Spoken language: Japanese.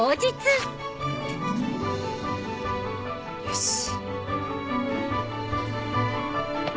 よし！